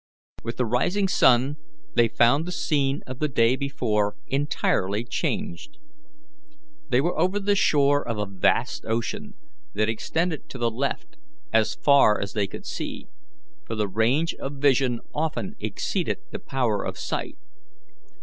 With the rising sun they found the scene of the day before entirely changed. They were over the shore of a vast ocean that extended to the left as far as they could see, for the range of vision often exceeded the power of sight.